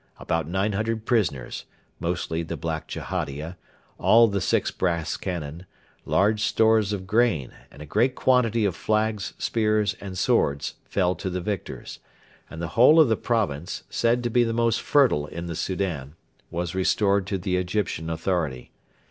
About 900 prisoners, mostly the Black Jehadia, all the six brass cannon, large stores of grain, and a great quantity of flags, spears, and swords fell to the victors, and the whole of the province, said to be the most fertile in the Soudan, was restored to the Egyptian authority.